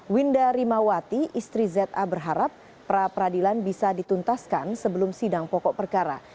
winda rimawati istri za berharap pra peradilan bisa dituntaskan sebelum sidang pokok perkara